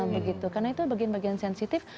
karena itu bagian bagian sensitif